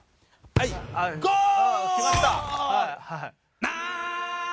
はいゴール！